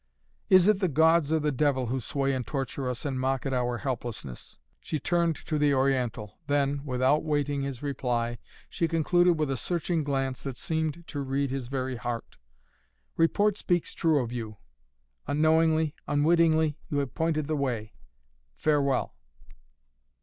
"Is it the gods or the devil who sway and torture us and mock at our helplessness?" she turned to the Oriental, then, without waiting his reply, she concluded with a searching glance that seemed to read his very heart. "Report speaks true of you. Unknowingly, unwittingly you have pointed the way. Farewell!"